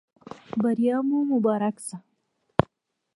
بریا مو مبارک شه